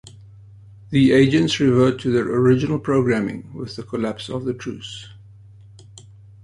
The Agents revert to their original programming with the collapse of the Truce.